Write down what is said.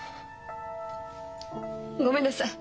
ごめんなさい。